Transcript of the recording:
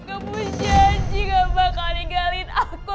kamu janji gak bakal ngegalin aku